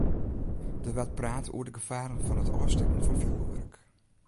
Der waard praat oer de gefaren fan it ôfstekken fan fjoerwurk.